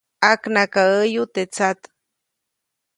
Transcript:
ʼAknakaʼäyu teʼ tsat.